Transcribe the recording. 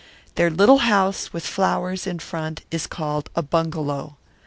Their little house with flowers in front of it is called a bungalow.